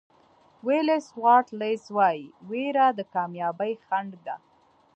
ولېس واټلز وایي وېره د کامیابۍ خنډ ده.